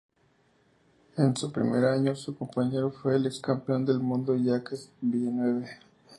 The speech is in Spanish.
En su primer año su compañero fue el ex campeón del mundo Jacques Villeneuve.